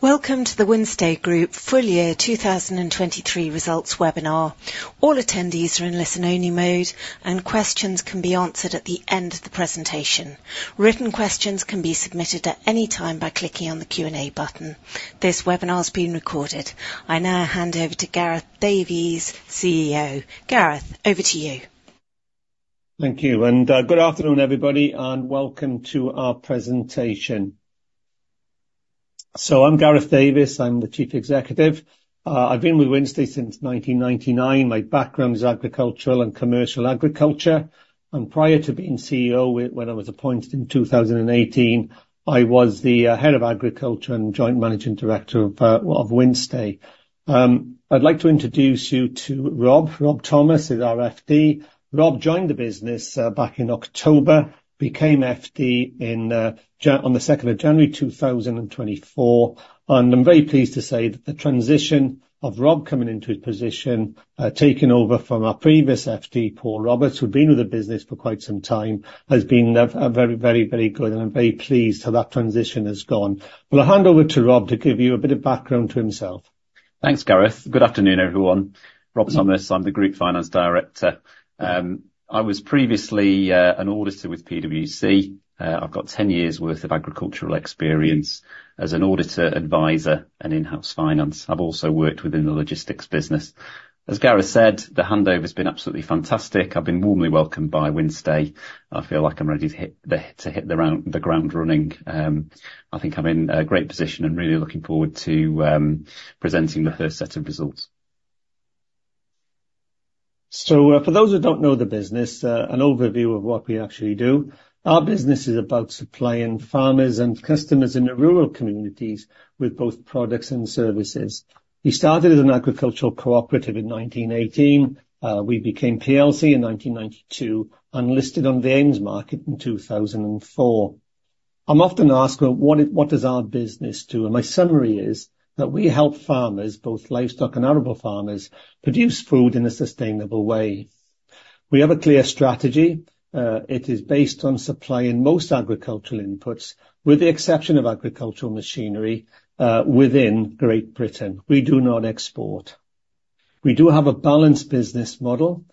Welcome to the Wynnstay Group Full Year 2023 Results Webinar. All attendees are in listen-only mode, and questions can be answered at the end of the presentation. Written questions can be submitted at any time by clicking on the Q&A button. This webinar is being recorded. I now hand over to Gareth Davies, CEO. Gareth, over to you. Thank you, and good afternoon, everybody, and welcome to our presentation. I'm Gareth Davies. I'm the Chief Executive. I've been with Wynnstay since 1999. My background is agricultural and commercial agriculture, and prior to being CEO, when I was appointed in 2018, I was the head of agriculture and joint managing director of, well, of Wynnstay. I'd like to introduce you to Rob. Rob Thomas is our FD. Rob joined the business back in October, became FD in January on the second of January 2024, and I'm very pleased to say that the transition of Rob coming into his position, taking over from our previous FD, Paul Roberts, who'd been with the business for quite some time, has been a very, very, very good, and I'm very pleased how that transition has gone. I'll hand over to Rob to give you a bit of background to himself. Thanks, Gareth. Good afternoon, everyone. Rob Thomas, I'm the Group Finance Director. I was previously an auditor with PwC. I've got 10 years' worth of agricultural experience as an auditor, advisor, and in-house finance. I've also worked within the logistics business. As Gareth said, the handover's been absolutely fantastic. I've been warmly welcomed by Wynnstay. I feel like I'm ready to hit the ground running. I think I'm in a great position and really looking forward to presenting the first set of results. So, for those who don't know the business, an overview of what we actually do. Our business is about supplying farmers and customers in the rural communities with both products and services. We started as an agricultural cooperative in 1918. We became PLC in 1992 and listed on the AIM market in 2004. I'm often asked, "Well, what is, what does our business do?" And my summary is that we help farmers, both livestock and arable farmers, produce food in a sustainable way. We have a clear strategy. It is based on supplying most agricultural inputs, with the exception of agricultural machinery, within Great Britain. We do not export. We do have a balanced business model.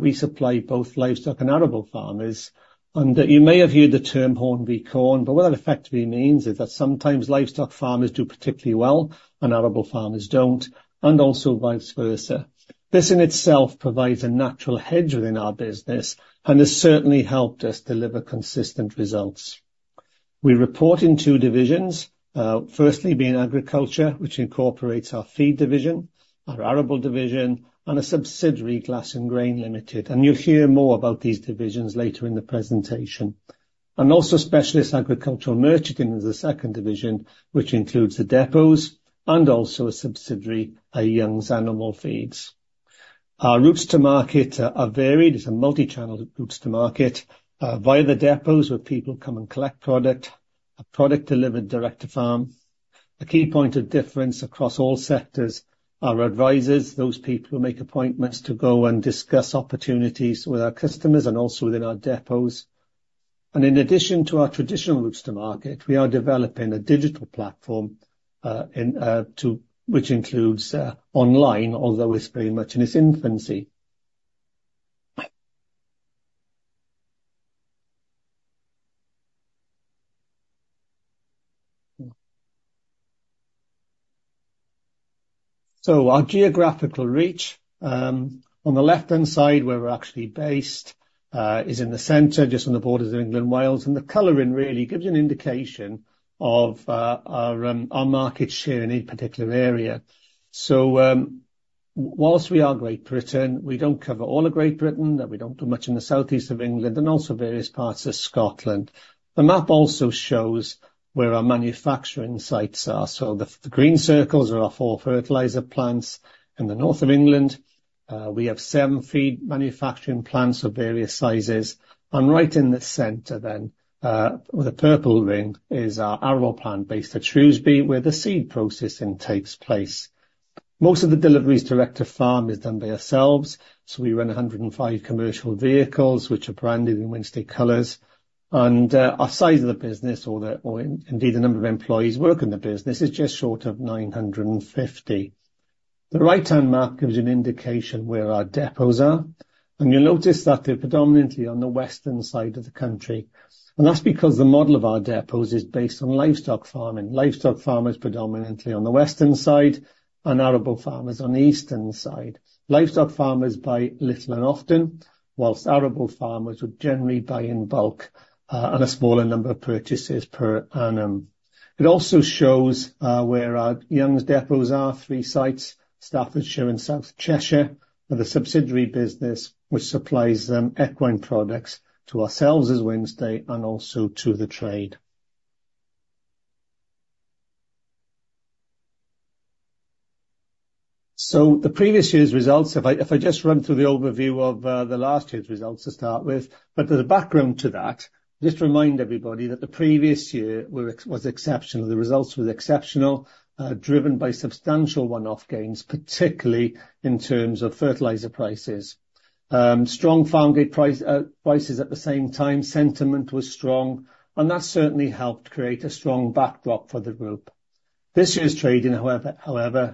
We supply both livestock and arable farmers, and you may have heard the term horn and corn, but what that effectively means is that sometimes livestock farmers do particularly well and arable farmers don't, and also vice versa. This, in itself, provides a natural hedge within our business and has certainly helped us deliver consistent results. We report in two divisions, firstly, being agriculture, which incorporates our feed division, our arable division, and a subsidiary, Glasson Grain Limited, and you'll hear more about these divisions later in the presentation. Specialist agricultural merchandising is the second division, which includes the depots and also a subsidiary, Youngs Animal Feeds. Our routes to market are varied. It's a multi-channel routes to market, via the depots, where people come and collect product, a product delivered direct to farm. A key point of difference across all sectors, our advisors, those people who make appointments to go and discuss opportunities with our customers and also within our depots. In addition to our traditional routes to market, we are developing a digital platform, which includes online, although it's very much in its infancy. So our geographical reach, on the left-hand side, where we're actually based, is in the center, just on the borders of England, Wales, and the coloring really gives you an indication of our market share in any particular area. So, whilst we are Great Britain, we don't cover all of Great Britain, that we don't do much in the southeast of England and also various parts of Scotland. The map also shows where our manufacturing sites are. So the green circles are our four fertilizer plants in the north of England. We have seven feed manufacturing plants of various sizes, and right in the center then, with a purple ring, is our arable plant based at Shrewsbury, where the seed processing takes place. Most of the deliveries direct to farm is done by ourselves, so we run 105 commercial vehicles, which are branded in Wynnstay colors, and our size of the business or the, or indeed, the number of employees working in the business, is just short of 950. The right-hand map gives you an indication where our depots are, and you'll notice that they're predominantly on the western side of the country, and that's because the model of our depots is based on livestock farming. Livestock farmers predominantly on the western side and arable farmers on the eastern side. Livestock farmers buy little and often, while arable farmers would generally buy in bulk, and a smaller number of purchases per annum. It also shows where our Youngs depots are, three sites, Staffordshire and South Cheshire, are the subsidiary business, which supplies equine products to ourselves as Wynnstay and also to the trade. So the previous year's results, if I just run through the overview of the last year's results to start with, but there's a background to that. Just to remind everybody that the previous year was exceptional. The results were exceptional, driven by substantial one-off gains, particularly in terms of fertilizer prices. Strong farm gate prices at the same time, sentiment was strong, and that certainly helped create a strong backdrop for the group... This year's trading, however,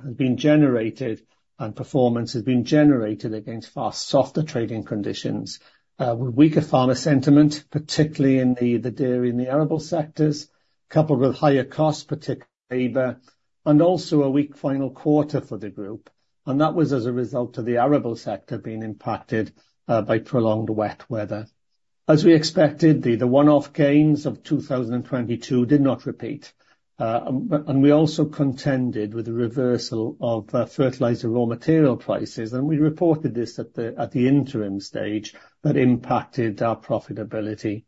has been generated and performance has been generated against far softer trading conditions, with weaker farmer sentiment, particularly in the dairy and the arable sectors, coupled with higher costs, particularly labor, and also a weak final quarter for the group, and that was as a result of the arable sector being impacted by prolonged wet weather. As we expected, the one-off gains of 2022 did not repeat. And we also contended with the reversal of fertilizer raw material prices, and we reported this at the interim stage, that impacted our profitability.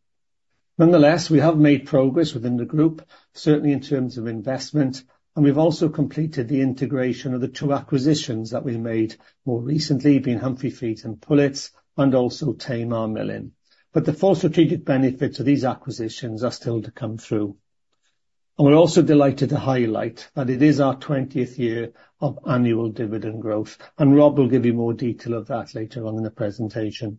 Nonetheless, we have made progress within the group, certainly in terms of investment, and we've also completed the integration of the two acquisitions that we made more recently, being Humphrey Feeds and Pullets, and also Tamar Milling. But the full strategic benefits of these acquisitions are still to come through. And we're also delighted to highlight that it is our 20th year of annual dividend growth, and Rob will give you more detail of that later on in the presentation.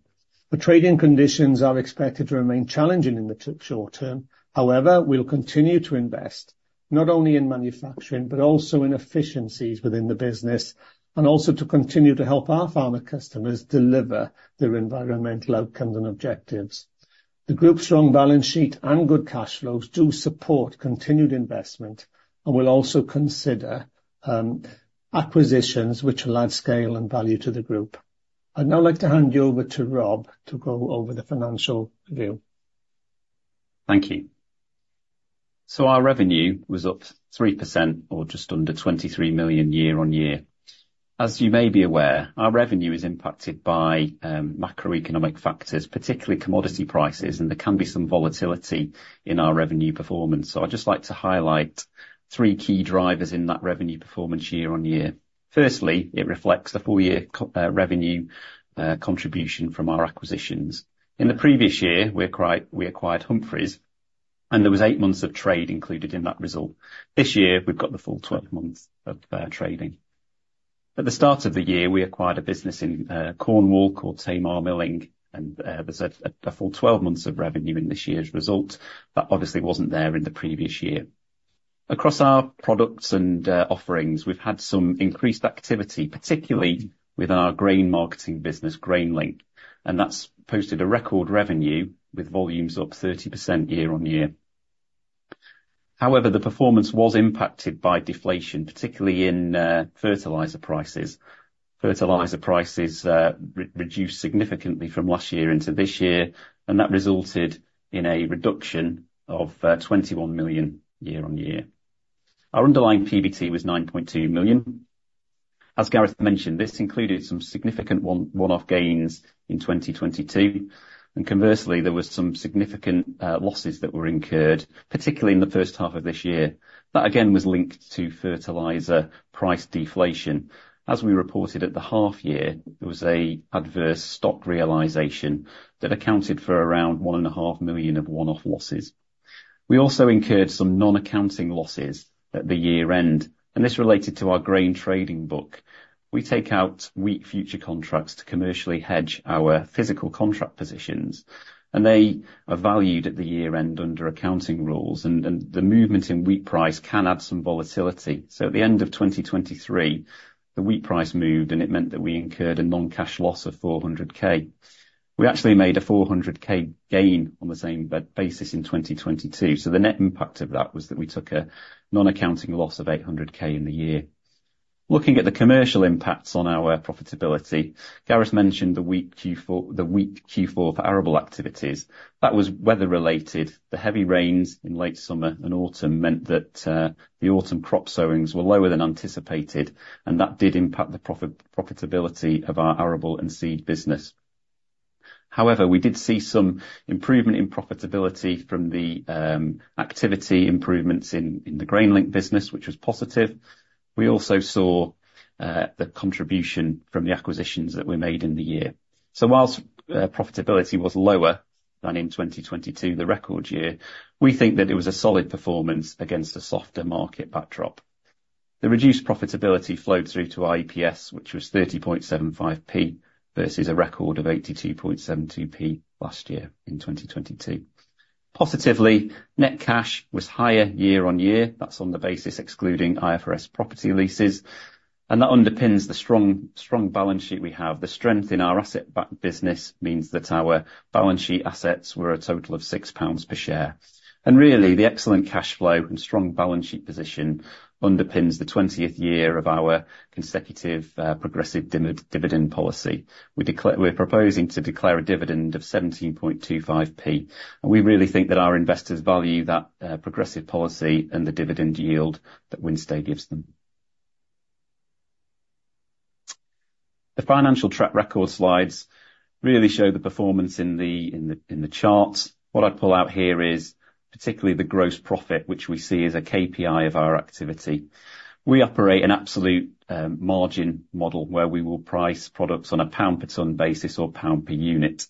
The trading conditions are expected to remain challenging in the short term. However, we'll continue to invest, not only in manufacturing, but also in efficiencies within the business, and also to continue to help our farmer customers deliver their environmental outcomes and objectives. The group's strong balance sheet and good cash flows do support continued investment, and we'll also consider acquisitions which will add scale and value to the group. I'd now like to hand you over to Rob to go over the financial review. Thank you. So our revenue was up 3%, or just under 23 million, year-on-year. As you may be aware, our revenue is impacted by macroeconomic factors, particularly commodity prices, and there can be some volatility in our revenue performance. So I'd just like to highlight three key drivers in that revenue performance year-on-year. Firstly, it reflects the full year revenue contribution from our acquisitions. In the previous year, we acquired Humphrey, and there was eight months of trade included in that result. This year, we've got the full 12 months of trading. At the start of the year, we acquired a business in Cornwall called Tamar Milling, and there's a full 12 months of revenue in this year's result that obviously wasn't there in the previous year. Across our products and offerings, we've had some increased activity, particularly with our grain marketing business, GrainLink, and that's posted a record revenue with volumes up 30% year-on-year. However, the performance was impacted by deflation, particularly in fertilizer prices. Fertilizer prices reduced significantly from last year into this year, and that resulted in a reduction of 21 million year-on-year. Our underlying PBT was 9.2 million. As Gareth mentioned, this included some significant one-off gains in 2022, and conversely, there was some significant losses that were incurred, particularly in the first half of this year. That, again, was linked to fertilizer price deflation. As we reported at the half-year, there was an adverse stock realization that accounted for around 1.5 million of one-off losses. We also incurred some non-accounting losses at the year-end, and this related to our grain trading book. We take out wheat future contracts to commercially hedge our physical contract positions, and they are valued at the year-end under accounting rules, and the movement in wheat price can add some volatility. So at the end of 2023, the wheat price moved, and it meant that we incurred a non-cash loss of 400,000. We actually made a 400,000 gain on the same basis in 2022, so the net impact of that was that we took a non-accounting loss of 800,000 in the year. Looking at the commercial impacts on our profitability, Gareth mentioned the weak Q4, the weak Q4 for arable activities. That was weather related. The heavy rains in late summer and autumn meant that the autumn crop sowings were lower than anticipated, and that did impact the profitability of our arable and seed business. However, we did see some improvement in profitability from the activity improvements in the GrainLink business, which was positive. We also saw the contribution from the acquisitions that we made in the year. So while profitability was lower than in 2022, the record year, we think that it was a solid performance against a softer market backdrop. The reduced profitability flowed through to our EPS, which was 0.3075, versus a record of 0.8272 last year in 2022. Positively, net cash was higher year-over-year. That's on the basis excluding IFRS property leases, and that underpins the strong, strong balance sheet we have. The strength in our asset business means that our balance sheet assets were a total of 6 pounds per share. Really, the excellent cash flow and strong balance sheet position underpins the 20th year of our consecutive, progressive dividend policy. We're proposing to declare a dividend of 0.1725, and we really think that our investors value that, progressive policy and the dividend yield that Wynnstay gives them. The financial track record slides really show the performance in the charts. What I'd pull out here is particularly the gross profit, which we see as a KPI of our activity. We operate an absolute margin model, where we will price products on a pound per ton basis or pound per unit.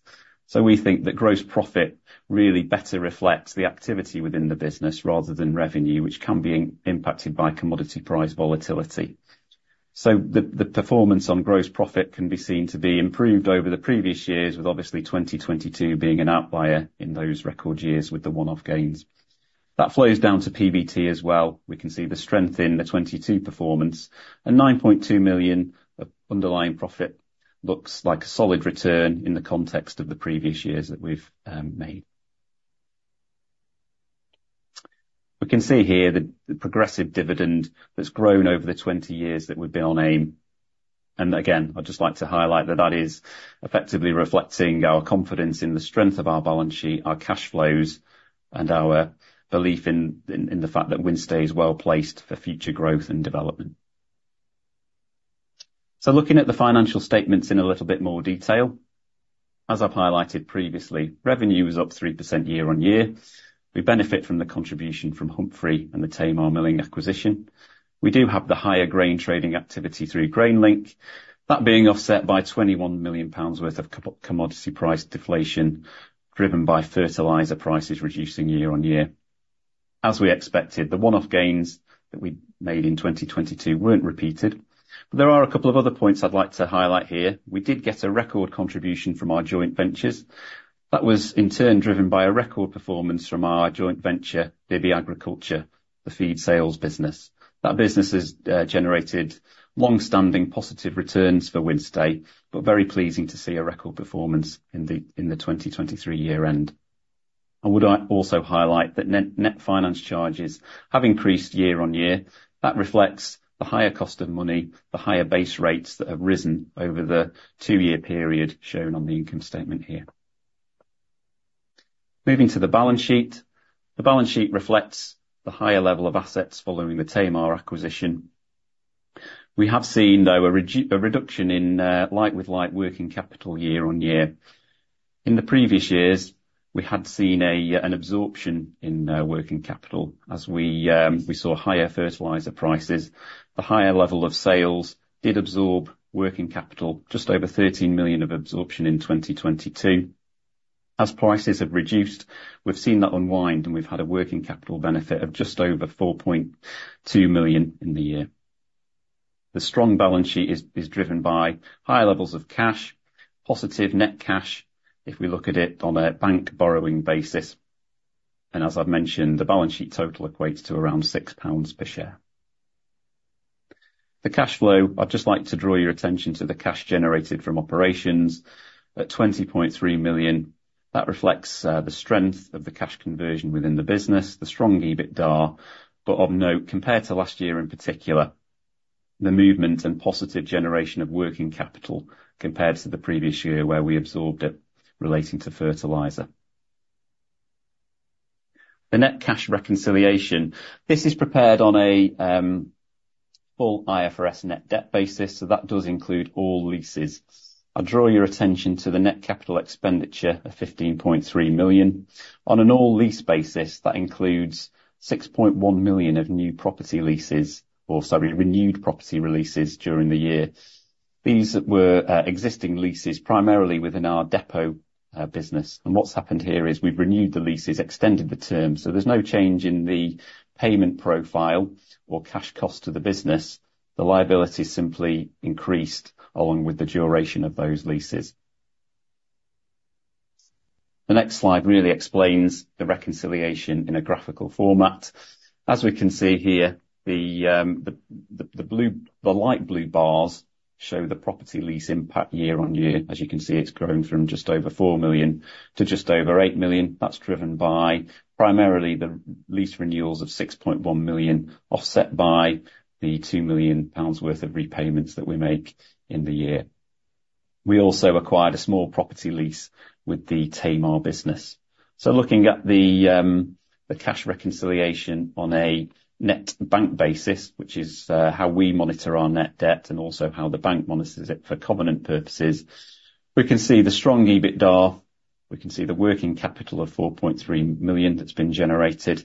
So we think that gross profit really better reflects the activity within the business rather than revenue, which can be impacted by commodity price volatility. So the performance on gross profit can be seen to be improved over the previous years, with obviously 2022 being an outlier in those record years with the one-off gains. That flows down to PBT as well. We can see the strength in the 2022 performance, and 9.2 million of underlying profit looks like a solid return in the context of the previous years that we've made. We can see here the progressive dividend that's grown over the 20 years that we've been on AIM. And again, I'd just like to highlight that that is effectively reflecting our confidence in the strength of our balance sheet, our cash flows, and our belief in the fact that Wynnstay is well-placed for future growth and development. So looking at the financial statements in a little bit more detail, as I've highlighted previously, revenue is up 3% year-on-year. We benefit from the contribution from Humphrey and the Tamar Milling acquisition. We do have the higher grain trading activity through GrainLink. That being offset by 21 million pounds worth of commodity price deflation, driven by fertilizer prices reducing year-on-year. As we expected, the one-off gains that we made in 2022 weren't repeated, but there are a couple of other points I'd like to highlight here. We did get a record contribution from our joint ventures. That was, in turn, driven by a record performance from our joint venture, Bibby Agriculture, the feed sales business. That business has generated long-standing positive returns for Wynnstay, but very pleasing to see a record performance in the 2023 year end. I would also highlight that net finance charges have increased year-on-year. That reflects the higher cost of money, the higher base rates that have risen over the two-year period shown on the income statement here. Moving to the balance sheet. The balance sheet reflects the higher level of assets following the Tamar acquisition. We have seen, though, a reduction in like-for-like working capital year-on-year. In the previous years, we had seen an absorption in working capital as we saw higher fertilizer prices. The higher level of sales did absorb working capital, just over 13 million of absorption in 2022. As prices have reduced, we've seen that unwind, and we've had a working capital benefit of just over 4.2 million in the year. The strong balance sheet is driven by higher levels of cash, positive net cash, if we look at it on a bank borrowing basis, and as I've mentioned, the balance sheet total equates to around 6 pounds per share. The cash flow, I'd just like to draw your attention to the cash generated from operations at 20.3 million. That reflects the strength of the cash conversion within the business, the strong EBITDA, but of note, compared to last year in particular, the movement and positive generation of working capital compared to the previous year, where we absorbed it relating to fertilizer. The net cash reconciliation. This is prepared on a full IFRS net debt basis, so that does include all leases. I'll draw your attention to the net capital expenditure of 15.3 million. On an all lease basis, that includes 6.1 million of new property leases or, sorry, renewed property leases during the year. These were existing leases, primarily within our depot business, and what's happened here is we've renewed the leases, extended the terms, so there's no change in the payment profile or cash cost to the business. The liability simply increased along with the duration of those leases. The next slide really explains the reconciliation in a graphical format. As we can see here, the light blue bars show the property lease impact year-on-year. As you can see, it's grown from just over 4 million to just over 8 million. That's driven by primarily the lease renewals of 6.1 million, offset by the 2 million pounds worth of repayments that we make in the year. We also acquired a small property lease with the Tamar business. So looking at the cash reconciliation on a net bank basis, which is how we monitor our net debt and also how the bank monitors it for covenant purposes, we can see the strong EBITDA. We can see the working capital of 4.3 million that's been generated.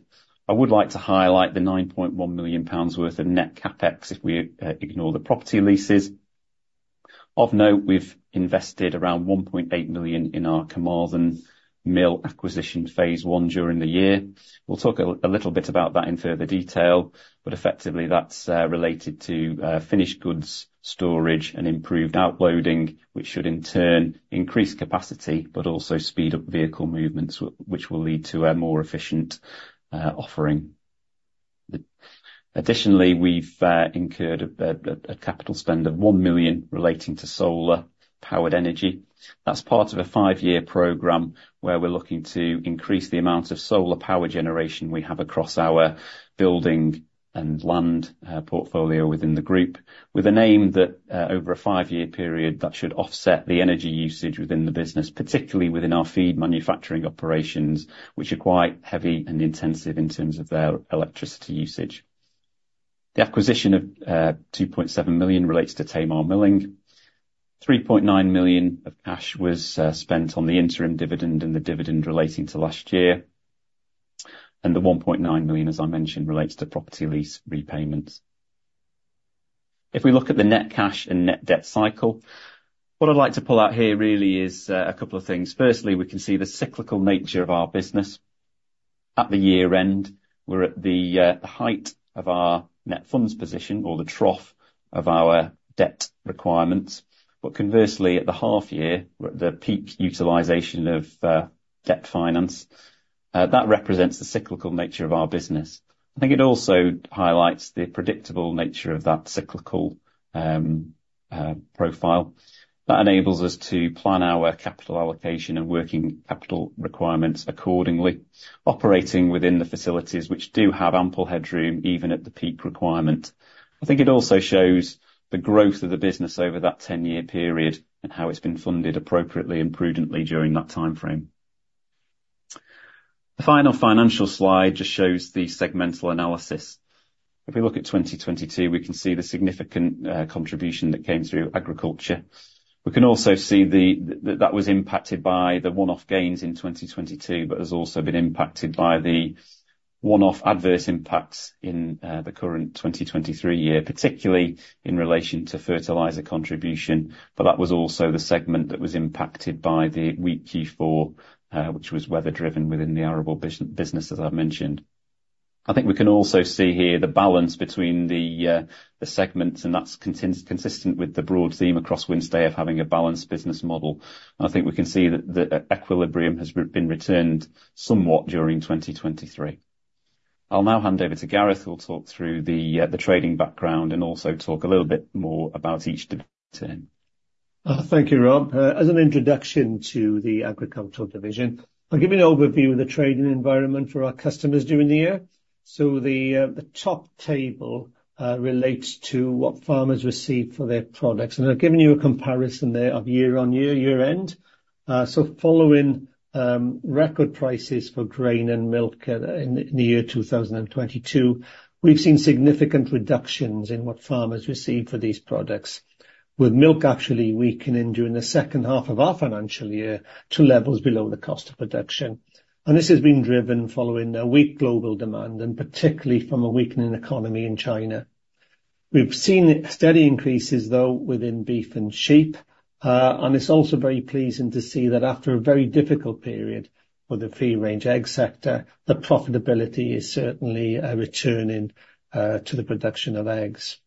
I would like to highlight the 9.1 million pounds worth of net CapEx, if we ignore the property leases. Of note, we've invested around 1.8 million in our Carmarthen Mill acquisition, phase one, during the year. We'll talk a little bit about that in further detail, but effectively, that's related to finished goods, storage, and improved outloading, which should in turn increase capacity, but also speed up vehicle movements, which will lead to a more efficient offering. Additionally, we've incurred a capital spend of 1 million relating to solar-powered energy. That's part of a five-year program where we're looking to increase the amount of solar power generation we have across our building and land portfolio within the group, with an aim that over a five-year period, that should offset the energy usage within the business, particularly within our feed manufacturing operations, which are quite heavy and intensive in terms of their electricity usage. The acquisition of 2.7 million relates to Tamar Milling. 3.9 million of cash was spent on the interim dividend and the dividend relating to last year, and the 1.9 million, as I mentioned, relates to property lease repayments. If we look at the net cash and net debt cycle, what I'd like to pull out here really is a couple of things. Firstly, we can see the cyclical nature of our business... at the year-end, we're at the height of our net funds position or the trough of our debt requirements. But conversely, at the half year, we're at the peak utilization of debt finance. That represents the cyclical nature of our business. I think it also highlights the predictable nature of that cyclical profile, that enables us to plan our capital allocation and working capital requirements accordingly, operating within the facilities which do have ample headroom, even at the peak requirement. I think it also shows the growth of the business over that 10-year period, and how it's been funded appropriately and prudently during that time frame. The final financial slide just shows the segmental analysis. If we look at 2022, we can see the significant contribution that came through agriculture. We can also see that that was impacted by the one-off gains in 2022, but has also been impacted by the one-off adverse impacts in the current 2023 year, particularly in relation to fertilizer contribution. But that was also the segment that was impacted by the weak Q4, which was weather-driven within the arable business, as I've mentioned. I think we can also see here the balance between the segments, and that's consistent with the broad theme across Wynnstay of having a balanced business model. I think we can see that the equilibrium has been returned somewhat during 2023. I'll now hand over to Gareth, who will talk through the trading background and also talk a little bit more about each division. Thank you, Rob. As an introduction to the agricultural division, I'll give you an overview of the trading environment for our customers during the year. So the top table relates to what farmers receive for their products, and I've given you a comparison there of year-on-year, year-end. So following record prices for grain and milk in the year 2022, we've seen significant reductions in what farmers receive for these products. With milk actually weakening during the second half of our financial year to levels below the cost of production. And this has been driven following a weak global demand, and particularly from a weakening economy in China. We've seen steady increases, though, within beef and sheep. It's also very pleasing to see that after a very difficult period for the free-range egg sector, the profitability is certainly returning to the production of eggs.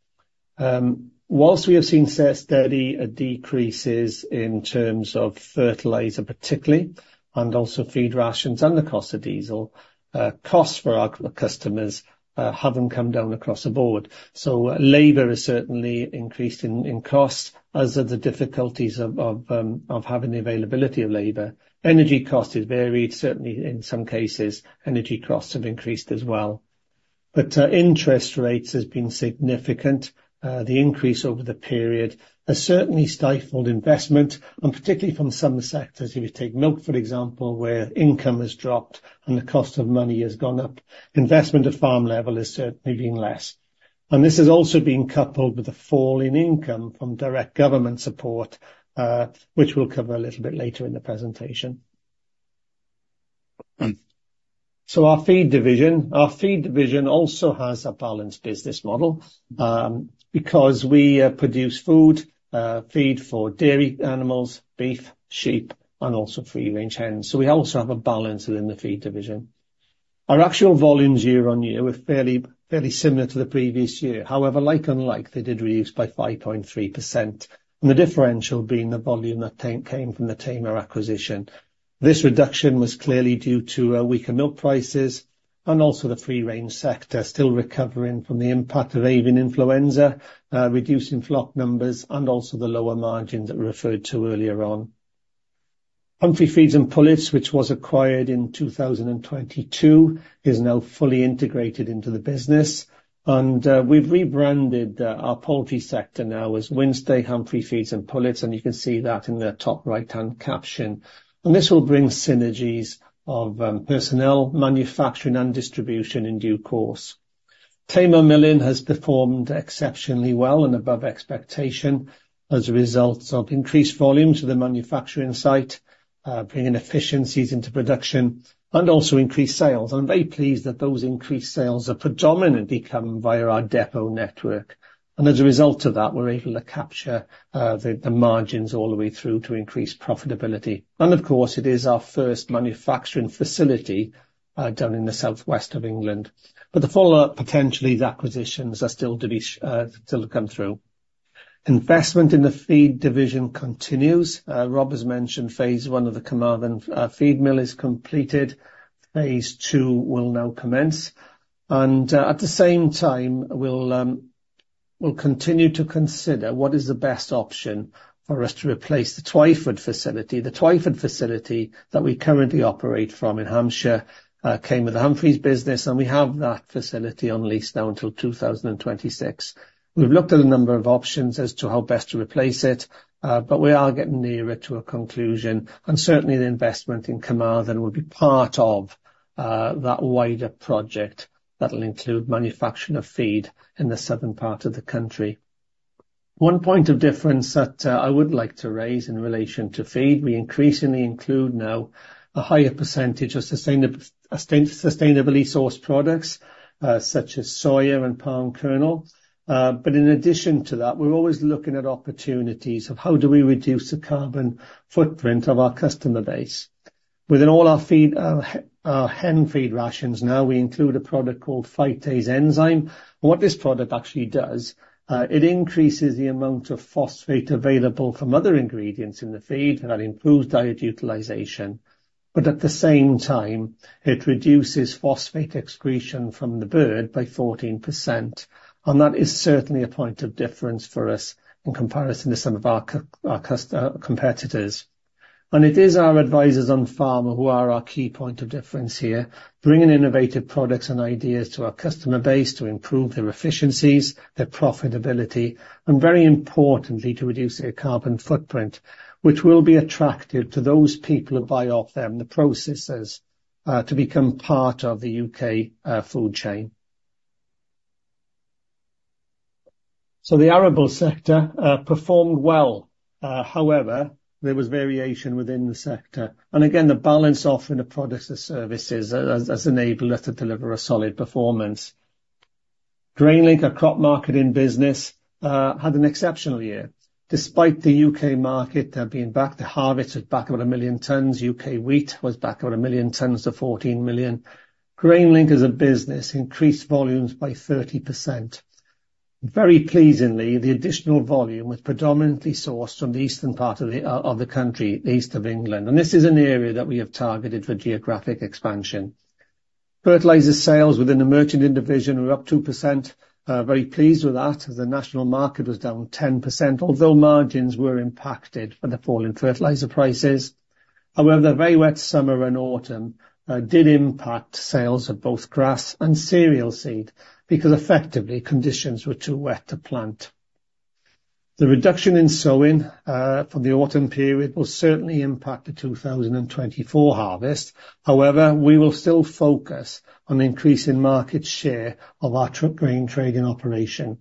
While we have seen steady decreases in terms of fertilizer particularly, and also feed rations and the cost of diesel, costs for our customers haven't come down across the board. Labor has certainly increased in costs, as are the difficulties of having the availability of labor. Energy cost has varied. Certainly in some cases, energy costs have increased as well. But interest rates has been significant. The increase over the period has certainly stifled investment, and particularly from some sectors. If you take milk, for example, where income has dropped and the cost of money has gone up, investment at farm level is certainly being less. And this has also been coupled with a fall in income from direct government support, which we'll cover a little bit later in the presentation. So our feed division. Our feed division also has a balanced business model, because we produce feed for dairy animals, beef, sheep, and also free-range hens, so we also have a balance within the feed division. Our actual volumes year-on-year were fairly, fairly similar to the previous year. However, like-for-like, they did reduce by 5.3%, and the differential being the volume that came from the Tamar acquisition. This reduction was clearly due to weaker milk prices and also the free-range sector, still recovering from the impact of avian influenza, reducing flock numbers and also the lower margins that were referred to earlier on. Humphrey Feeds and Pullets, which was acquired in 2022, is now fully integrated into the business, and we've rebranded our poultry sector now as Wynnstay Humphrey Feeds and Pullets, and you can see that in the top right-hand caption. This will bring synergies of personnel, manufacturing, and distribution in due course. Tamar Milling has performed exceptionally well and above expectation as a result of increased volumes of the manufacturing site bringing efficiencies into production and also increased sales. I'm very pleased that those increased sales are predominantly coming via our depot network. As a result of that, we're able to capture the margins all the way through to increase profitability. Of course, it is our first manufacturing facility down in the southwest of England. But the follow-up potential acquisitions are still to be still to come through. Investment in the feed division continues. Rob has mentioned phase one of the Carmarthen feed mill is completed. Phase two will now commence. And at the same time, we'll we'll continue to consider what is the best option for us to replace the Twyford facility. The Twyford facility that we currently operate from in Hampshire came with the Humphrey's business, and we have that facility on lease now until 2026. We've looked at a number of options as to how best to replace it, but we are getting nearer to a conclusion, and certainly the investment in Carmarthen will be part of that wider project that'll include manufacturing of feed in the southern part of the country. One point of difference that I would like to raise in relation to feed, we increasingly include now a higher percentage of sustainably sourced products, such as soya and palm kernel. But in addition to that, we're always looking at opportunities of how do we reduce the carbon footprint of our customer base?... Within all our feed, our hen feed rations now, we include a product called phytase enzyme. What this product actually does, it increases the amount of phosphate available from other ingredients in the feed, and that improves diet utilization. But at the same time, it reduces phosphate excretion from the bird by 14%, and that is certainly a point of difference for us in comparison to some of our competitors. It is our advisors on Farm who are our key point of difference here, bringing innovative products and ideas to our customer base to improve their efficiencies, their profitability, and very importantly, to reduce their carbon footprint, which will be attractive to those people who buy off them, the processors, to become part of the U.K. food chain. The arable sector performed well, however, there was variation within the sector. Again, the balance offering of products and services has enabled us to deliver a solid performance. GrainLink, our crop marketing business, had an exceptional year. Despite the U.K. market being back, the harvest was back about one million tons. U.K. wheat was back about one million tons to 14 million. GrainLink as a business increased volumes by 30%. Very pleasingly, the additional volume was predominantly sourced from the eastern part of the, of the country, the East of England, and this is an area that we have targeted for geographic expansion. Fertilizer sales within the merchant division were up 2%, very pleased with that. The national market was down 10%, although margins were impacted by the fall in fertilizer prices. However, the very wet summer and autumn did impact sales of both grass and cereal seed, because effectively, conditions were too wet to plant. The reduction in sowing for the autumn period will certainly impact the 2024 harvest. However, we will still focus on increasing market share of our traded grain trading operation.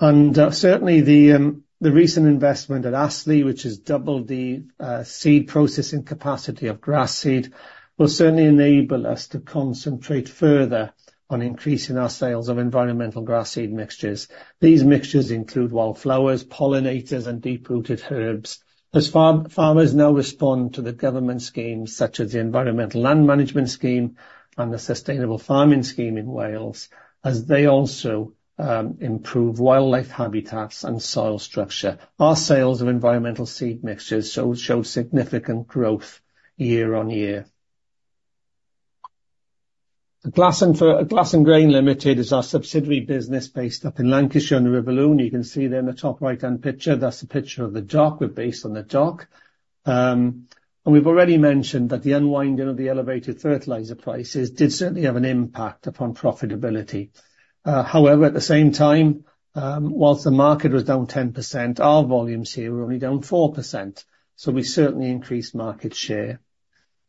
Certainly the recent investment at Astley, which has doubled the seed processing capacity of grass seed, will certainly enable us to concentrate further on increasing our sales of environmental grass seed mixtures. These mixtures include wildflowers, pollinators, and deep-rooted herbs. As farmers now respond to the government schemes, such as the Environmental Land Management Scheme and the Sustainable Farming Scheme in Wales, as they also improve wildlife habitats and soil structure. Our sales of environmental seed mixtures show significant growth year-on-year. Glasson Grain Limited is our subsidiary business based up in Lancashire on the River Lune. You can see there in the top right-hand picture, that's a picture of the dock. We're based on the dock. And we've already mentioned that the unwinding of the elevated fertilizer prices did certainly have an impact upon profitability. However, at the same time, while the market was down 10%, our volumes here were only down 4%, so we certainly increased market share.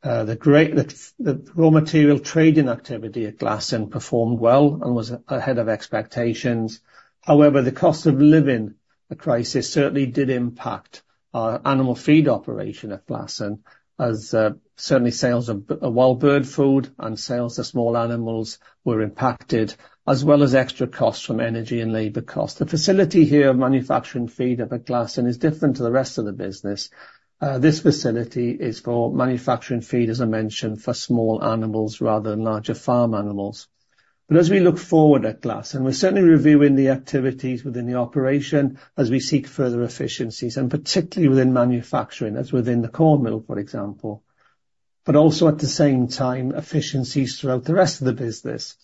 The raw material trading activity at Glasson performed well and was ahead of expectations. However, the cost of living crisis certainly did impact our animal feed operation at Glasson, as certainly sales of bird food and sales to small animals were impacted, as well as extra costs from energy and labor costs. The facility here of manufacturing feed up at Glasson is different to the rest of the business. This facility is for manufacturing feed, as I mentioned, for small animals rather than larger farm animals. But as we look forward at Glasson, we're certainly reviewing the activities within the operation as we seek further efficiencies, and particularly within manufacturing, as within the corn mill, for example, but also at the same time, efficiencies throughout the rest of the business.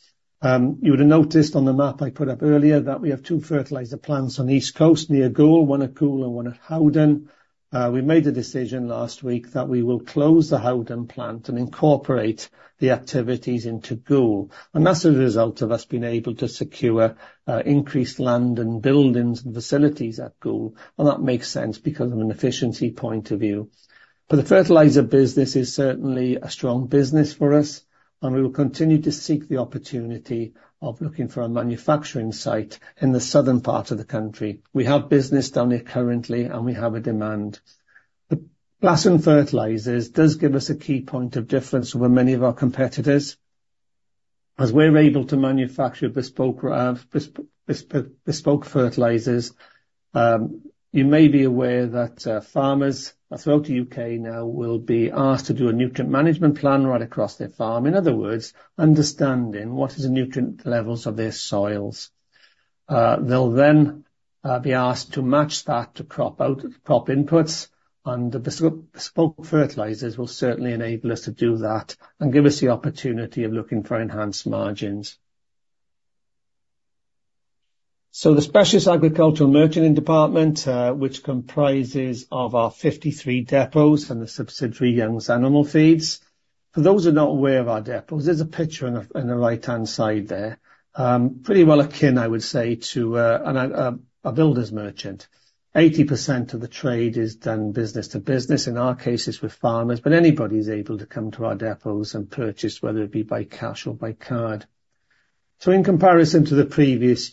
You would have noticed on the map I put up earlier, that we have 2 fertilizer plants on the East Coast near Goole, 1 at Goole and 1 at Howden. We made a decision last week that we will close the Howden plant and incorporate the activities into Goole. And that's a result of us being able to secure increased land and buildings and facilities at Goole, and that makes sense because of an efficiency point of view. But the fertilizer business is certainly a strong business for us, and we will continue to seek the opportunity of looking for a manufacturing site in the southern part of the country. We have business down there currently, and we have a demand. The Glasson Fertilisers does give us a key point of difference over many of our competitors, as we're able to manufacture bespoke fertilizers. You may be aware that farmers throughout the U.K. now will be asked to do a nutrient management plan right across their farm. In other words, understanding what is the nutrient levels of their soils. They'll then be asked to match that to crop inputs, and the bespoke fertilizers will certainly enable us to do that and give us the opportunity of looking for enhanced margins. So the specialist agricultural merchanting department, which comprises of our 53 depots and the subsidiary Youngs Animal Feeds. For those who are not aware of our depots, there's a picture on the right-hand side there. Pretty well akin, I would say, to a builder's merchant. 80% of the trade is done business to business, in our cases with farmers, but anybody is able to come to our depots and purchase, whether it be by cash or by card. So in comparison to the previous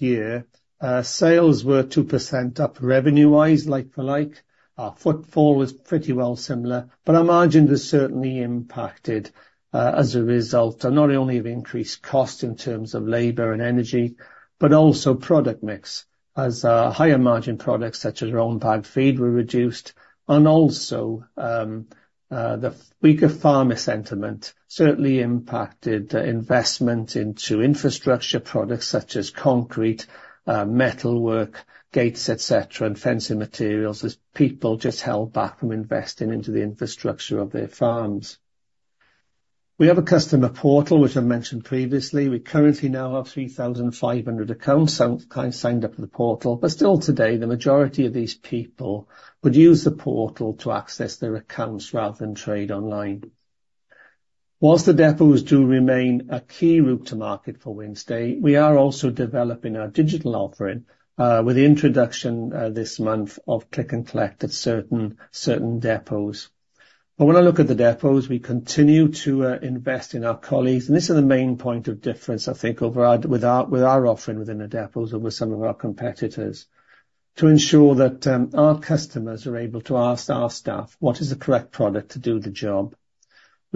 year, sales were 2% up revenue-wise, like for like. Our footfall was pretty well similar, but our margins were certainly impacted, as a result of not only of increased cost in terms of labor and energy, but also product mix, as higher margin products such as our own bagged feed were reduced. And also, the weaker farmer sentiment certainly impacted the investment into infrastructure products such as concrete, metalwork, gates, et cetera, and fencing materials, as people just held back from investing into the infrastructure of their farms... We have a customer portal, which I mentioned previously. We currently now have 3,500 accounts signed up for the portal, but still today, the majority of these people would use the portal to access their accounts rather than trade online. While the depots do remain a key route to market for Wynnstay, we are also developing our digital offering, with the introduction this month of click and collect at certain depots. But when I look at the depots, we continue to invest in our colleagues, and this is the main point of difference I think, with our offering within the depots over some of our competitors, to ensure that our customers are able to ask our staff what is the correct product to do the job.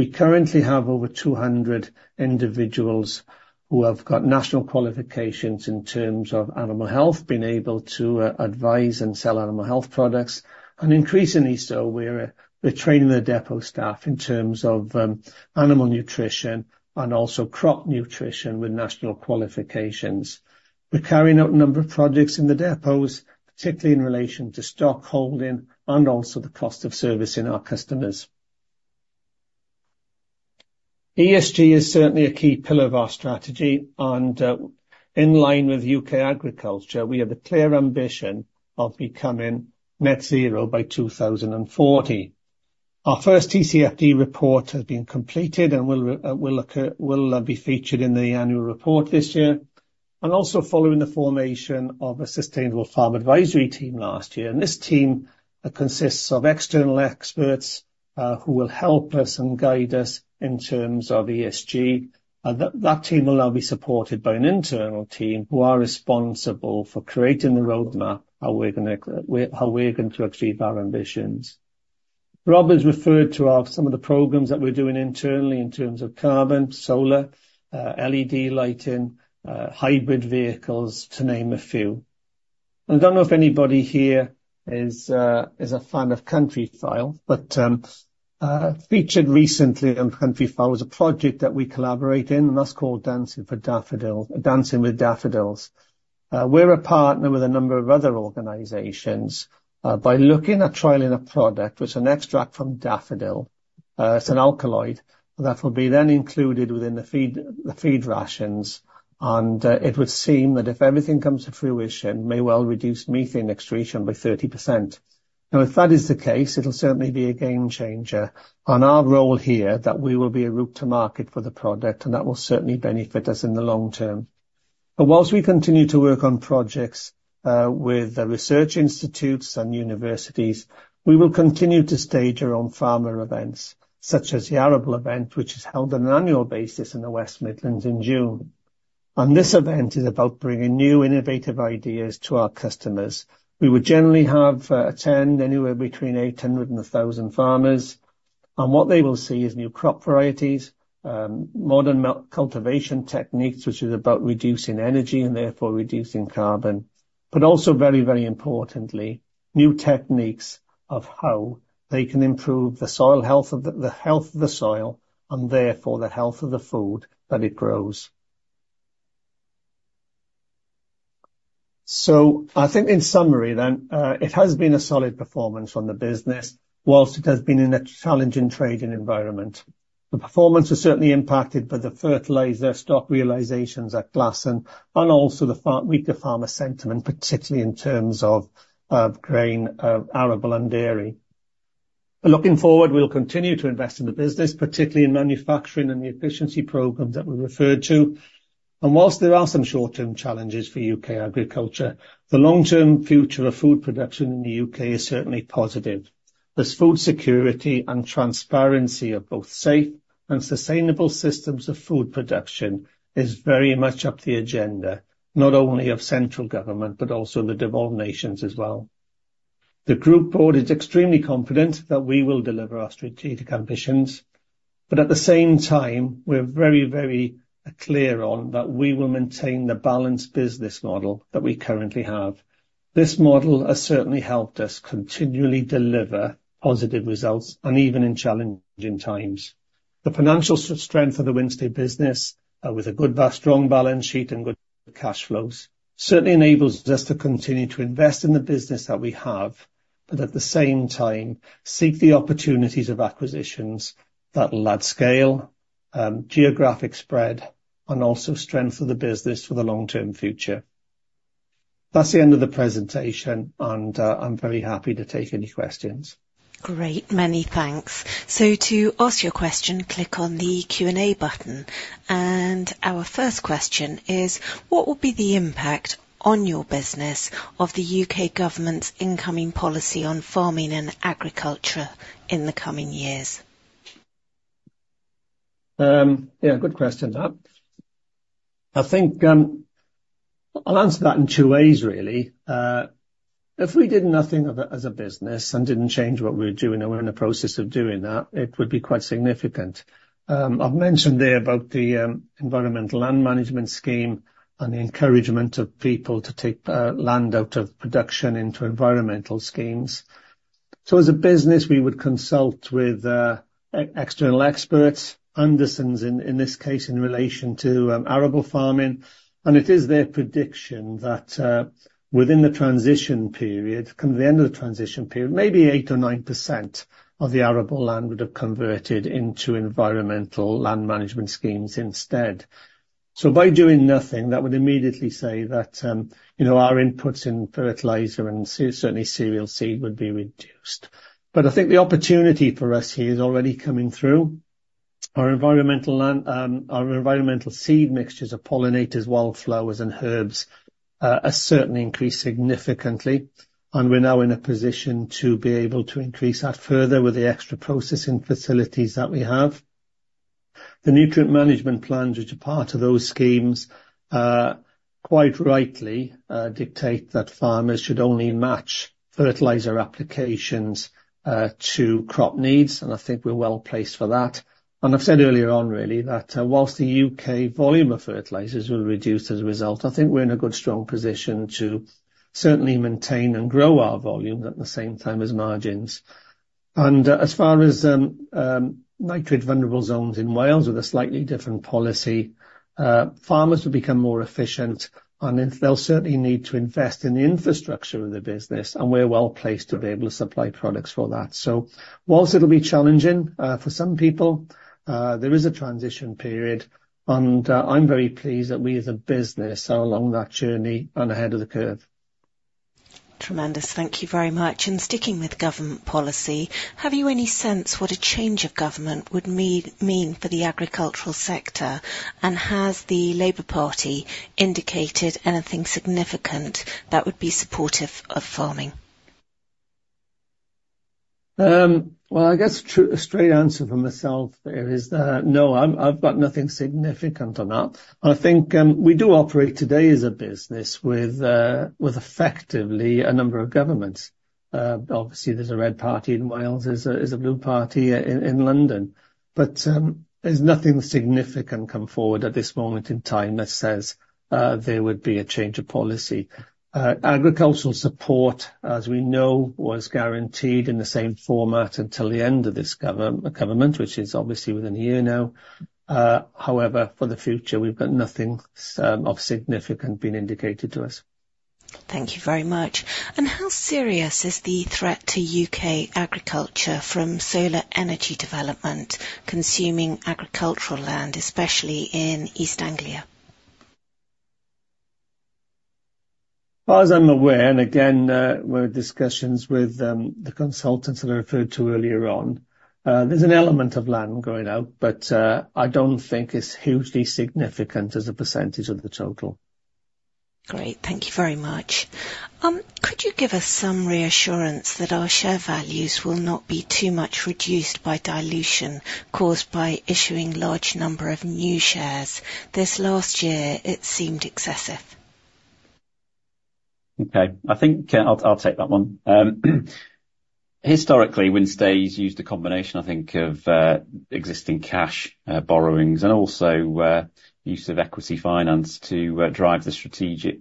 We currently have over 200 individuals who have got national qualifications in terms of animal health, being able to advise and sell animal health products. And increasingly so, we're training the depot staff in terms of animal nutrition and also crop nutrition with national qualifications. We're carrying out a number of projects in the depots, particularly in relation to stock holding and also the cost of servicing our customers. ESG is certainly a key pillar of our strategy, and in line with U.K. agriculture, we have a clear ambition of becoming net zero by 2040. Our first TCFD report has been completed and will be featured in the annual report this year. Also following the formation of a sustainable farm advisory team last year, this team consists of external experts who will help us and guide us in terms of ESG. And that team will now be supported by an internal team who are responsible for creating the roadmap, how we're going to achieve our ambitions. Rob has referred to our some of the programs that we're doing internally in terms of carbon, solar, LED lighting, hybrid vehicles, to name a few. I don't know if anybody here is a fan of Countryfile, but featured recently on Countryfile was a project that we collaborate in, and that's called Dancing for Daffodils - Dancing with Daffodils. We're a partner with a number of other organizations by looking at trialing a product, which is an extract from daffodil. It's an alkaloid that will be then included within the feed, the feed rations, and it would seem that if everything comes to fruition, may well reduce methane excretion by 30%. Now, if that is the case, it'll certainly be a game changer on our role here, that we will be a route to market for the product, and that will certainly benefit us in the long term. But while we continue to work on projects with the research institutes and universities, we will continue to stage our own farmer events, such as the Arable Event, which is held on an annual basis in the West Midlands in June. This event is about bringing new innovative ideas to our customers. We would generally have attend anywhere between 800 and 1,000 farmers, and what they will see is new crop varieties, modern cultivation techniques, which is about reducing energy and therefore reducing carbon, but also very, very importantly, new techniques of how they can improve the soil health of the. The health of the soil, and therefore the health of the food that it grows. I think in summary then, it has been a solid performance from the business, while it has been in a challenging trading environment. The performance was certainly impacted by the fertilizer stock realizations at Glasson, and also the weaker farmer sentiment, particularly in terms of grain, arable and dairy. But looking forward, we'll continue to invest in the business, particularly in manufacturing and the efficiency program that we referred to. While there are some short-term challenges for U.K. agriculture, the long-term future of food production in the U.K. is certainly positive, as food security and transparency of both safe and sustainable systems of food production is very much up the agenda, not only of central government, but also the devolved nations as well. The Group board is extremely confident that we will deliver our strategic ambitions, but at the same time, we're very, very clear on that we will maintain the balanced business model that we currently have. This model has certainly helped us continually deliver positive results and even in challenging times. The financial strength of the Wynnstay business, with a good, strong balance sheet and good cash flows, certainly enables us to continue to invest in the business that we have, but at the same time, seek the opportunities of acquisitions that will add scale, geographic spread, and also strengthen the business for the long-term future. That's the end of the presentation, and, I'm very happy to take any questions. Great, many thanks. To ask your question, click on the Q&A button. Our first question is: What will be the impact on your business of the U.K. government's incoming policy on farming and agriculture in the coming years? Yeah, good question, that. I think, I'll answer that in two ways, really. If we did nothing as a business and didn't change what we're doing, and we're in the process of doing that, it would be quite significant. I've mentioned there about the Environmental Land Management Scheme and the encouragement of people to take land out of production into environmental schemes. So as a business, we would consult with external experts, Andersons, in this case, in relation to arable farming. And it is their prediction that within the transition period, come the end of the transition period, maybe 8% or 9% of the arable land would have converted into Environmental Land Management Schemes instead. So by doing nothing, that would immediately say that, you know, our inputs in fertilizer and certainly cereal seed, would be reduced. But I think the opportunity for us here is already coming through. Our environmental land, our environmental seed mixtures of pollinators, wildflowers and herbs, are certainly increased significantly, and we're now in a position to be able to increase that further with the extra processing facilities that we have. The nutrient management plans, which are part of those schemes, quite rightly, dictate that farmers should only match fertilizer applications to crop needs, and I think we're well placed for that. And I've said earlier on, really, that, while the U.K. volume of fertilizers will reduce as a result, I think we're in a good, strong position to certainly maintain and grow our volumes at the same time as margins. As far as Nitrate Vulnerable Zones in Wales, with a slightly different policy, farmers will become more efficient, and they'll certainly need to invest in the infrastructure of the business, and we're well placed to be able to supply products for that. While it'll be challenging for some people, there is a transition period, and, I'm very pleased that we, as a business, are along that journey and ahead of the curve. Tremendous. Thank you very much. And sticking with government policy, have you any sense what a change of government would mean, mean for the agricultural sector, and has the Labour Party indicated anything significant that would be supportive of farming? Well, I guess, true, a straight answer from myself there is that no, I've got nothing significant on that. I think, we do operate today as a business with, with effectively a number of governments. Obviously, there's a red party in Wales, there's a, there's a blue party in, in London, but, there's nothing significant come forward at this moment in time that says, there would be a change of policy. Agricultural support, as we know, was guaranteed in the same format until the end of this government, which is obviously within a year now. However, for the future, we've got nothing, of significant being indicated to us. Thank you very much. How serious is the threat to U.K. agriculture from solar energy development consuming agricultural land, especially in East Anglia? As far as I'm aware, and again, we're in discussions with the consultants that I referred to earlier on, there's an element of land going out, but I don't think it's hugely significant as a percentage of the total. Great. Thank you very much. Could you give us some reassurance that our share values will not be too much reduced by dilution caused by issuing large number of new shares? This last year, it seemed excessive. Okay, I think I'll take that one. Historically, Wynnstay used a combination, I think, of existing cash, borrowings and also use of equity finance to drive the strategic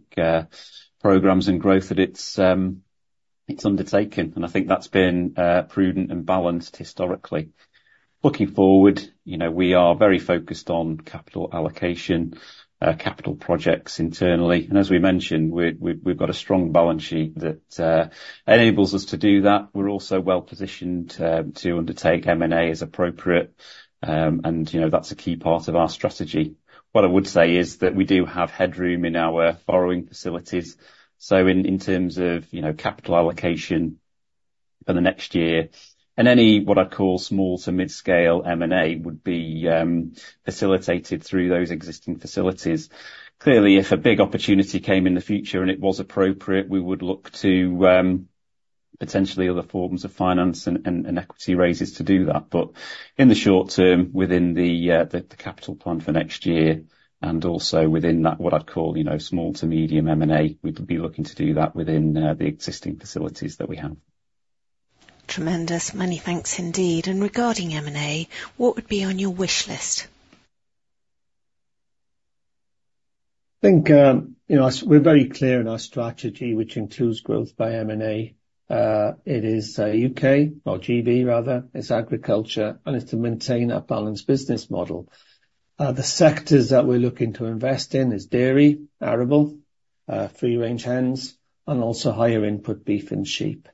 programs and growth that it's undertaken, and I think that's been prudent and balanced historically. Looking forward, you know, we are very focused on capital allocation, capital projects internally, and as we mentioned, we've got a strong balance sheet that enables us to do that. We're also well positioned to undertake M&A as appropriate. And, you know, that's a key part of our strategy. What I would say is that we do have headroom in our borrowing facilities, so in terms of, you know, capital allocation for the next year, and any, what I'd call small to mid-scale M&A, would be facilitated through those existing facilities. Clearly, if a big opportunity came in the future, and it was appropriate, we would look to potentially other forms of finance and equity raises to do that. But in the short term, within the capital plan for next year, and also within that, what I'd call, you know, small to medium M&A, we'd be looking to do that within the existing facilities that we have. Tremendous. Many thanks indeed, and regarding M&A, what would be on your wish list? I think, you know, as we're very clear in our strategy, which includes growth by M&A, it is, U.K., or GB rather, it's agriculture, and it's to maintain our balanced business model. The sectors that we're looking to invest in is dairy, arable, free-range hens, and also higher input beef and sheep.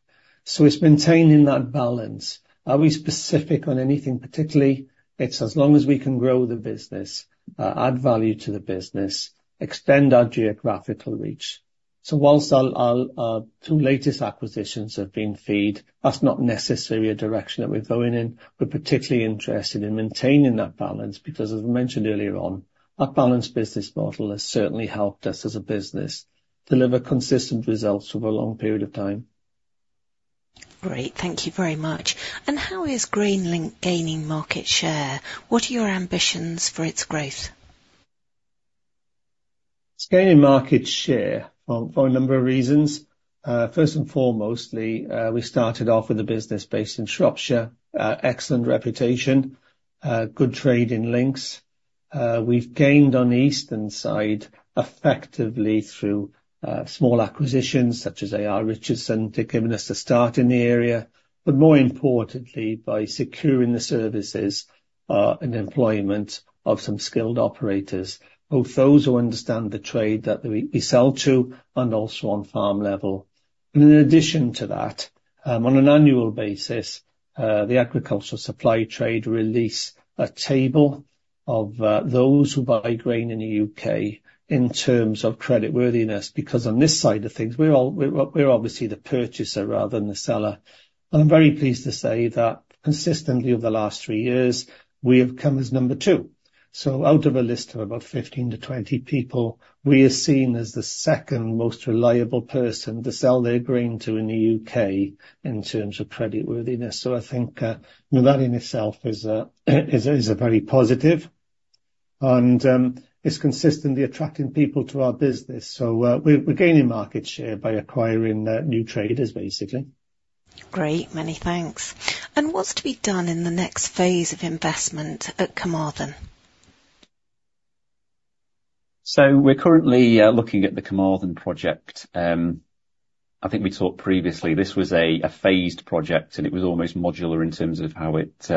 So it's maintaining that balance. Are we specific on anything particularly? It's as long as we can grow the business, add value to the business, extend our geographical reach. So while our, our, our two latest acquisitions have been feed, that's not necessarily a direction that we're going in. We're particularly interested in maintaining that balance, because as I mentioned earlier on, our balanced business model has certainly helped us, as a business, deliver consistent results over a long period of time. Great. Thank you very much. How is GrainLink gaining market share? What are your ambitions for its growth? It's gaining market share for a number of reasons. First and foremostly, we started off with a business based in Shropshire, excellent reputation, good trading links. We've gained on the eastern side effectively through small acquisitions, such as AR Richardson, to giving us a start in the area, but more importantly, by securing the services and employment of some skilled operators, both those who understand the trade that we sell to, and also on farm level. In addition to that, on an annual basis, the agricultural supply trade release a table of those who buy grain in the U.K. in terms of creditworthiness, because on this side of things, we're obviously the purchaser rather than the seller. I'm very pleased to say that consistently over the last three years, we have come as number two. Out of a list of about 15-20 people, we are seen as the second most reliable person to sell their grai n to in the U.K. in terms of creditworthiness. I think, well, that in itself is a very positive, and it's consistently attracting people to our business. We're gaining market share by acquiring new traders, basically. Great, many thanks. What's to be done in the next phase of investment at Carmarthen? So we're currently looking at the Carmarthen project. I think we talked previously, this was a phased project, and it was almost modular in terms of how it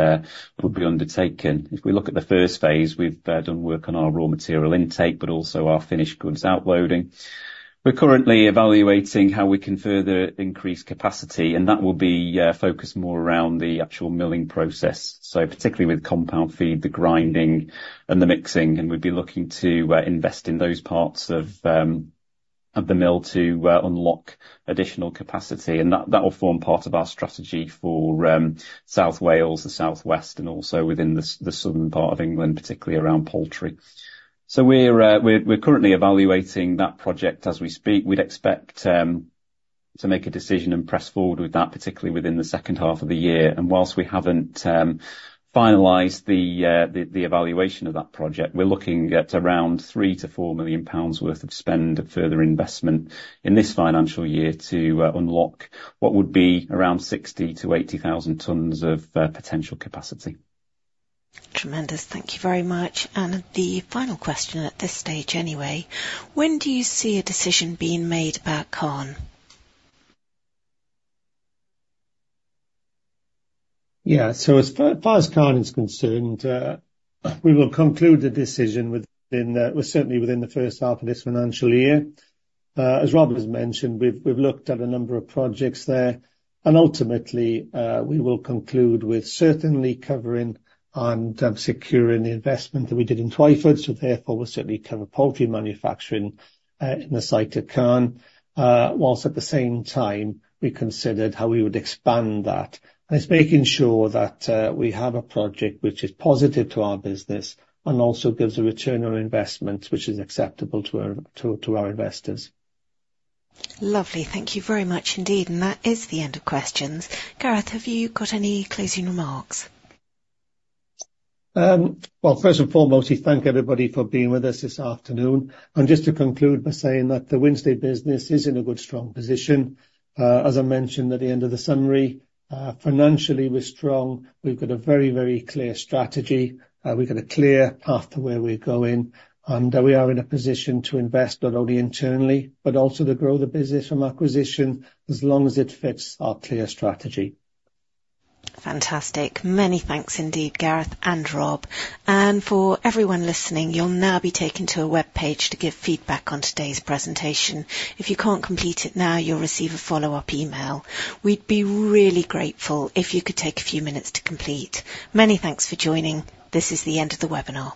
would be undertaken. If we look at the first phase, we've done work on our raw material intake, but also our finished goods outloading. We're currently evaluating how we can further increase capacity, and that will be focused more around the actual milling process, so particularly with compound feed, the grinding and the mixing, and we'd be looking to invest in those parts of of the mill to unlock additional capacity. And that will form part of our strategy for South Wales, the West, and also within the the southern part of England, particularly around poultry. So we're currently evaluating that project as we speak. We'd expect to make a decision and press forward with that, particularly within the second half of the year. And while we haven't finalized the evaluation of that project, we're looking at around 3 million-4 million pounds worth of spend of further investment in this financial year to unlock what would be around 60,000-80,000 tons of potential capacity. Tremendous. Thank you very much. And the final question at this stage, anyway: When do you see a decision being made about Calne? Yeah. So as far as Carmarthen is concerned, we will conclude the decision within, well, certainly within the first half of this financial year. As Rob has mentioned, we've looked at a number of projects there, and ultimately, we will conclude with certainly covering and securing the investment that we did in Twyford, so therefore we'll certainly cover poultry manufacturing in the site at Carmarthen. While at the same time, we considered how we would expand that. And it's making sure that we have a project which is positive to our business and also gives a return on investment, which is acceptable to our investors. Lovely. Thank you very much indeed, and that is the end of questions. Gareth, have you got any closing remarks? Well, first and foremost, we thank everybody for being with us this afternoon. Just to conclude by saying that the Wynnstay business is in a good, strong position. As I mentioned at the end of the summary, financially, we're strong. We've got a very, very clear strategy. We've got a clear path to where we're going, and we are in a position to invest not only internally, but also to grow the business from acquisition, as long as it fits our clear strategy. Fantastic. Many thanks indeed, Gareth and Rob. For everyone listening, you'll now be taken to a web page to give feedback on today's presentation. If you can't complete it now, you'll receive a follow-up email. We'd be really grateful if you could take a few minutes to complete. Many thanks for joining. This is the end of the webinar.